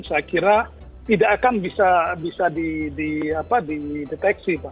saya kira tidak akan bisa dideteksi pak